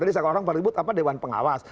tadi saya kalau orang berlibut apa dewan pengawas